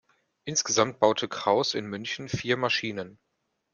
Insgesamt baute Krauss in München vier Maschinen.